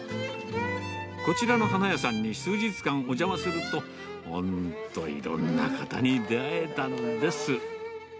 こちらの花屋さんに数日間お邪魔すると、本当、いろんな方に出会えたんです。